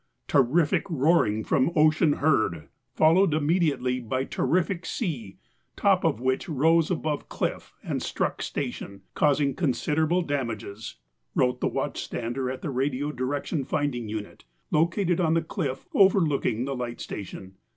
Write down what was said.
"Terrific roaring from ocean heard, followed immediately by terrific sea, top of which rose above cliff and struck station, causing considerable damages," wrote the watchstander at the Radio Direction Finding Unit, located on the cliff overlooking the light station.